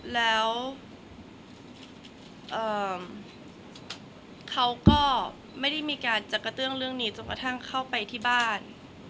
แล้วเขาก็ไม่ได้มีการจะกระเตื้องเรื่องนี้จนกระทั่งเข้าไปที่บ้าน